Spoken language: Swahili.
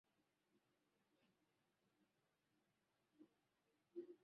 hatimaye wameanza kuhudumiwa kwa matibabu yasiyo na malipo